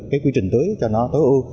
một cái quy trình tưới cho nó tối ưu